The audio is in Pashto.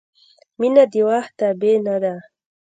• مینه د وخت تابع نه ده.